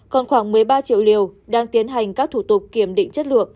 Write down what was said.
còn khoảng một mươi ba triệu liều đang tiến hành các thủ tục kiểm định chất lượng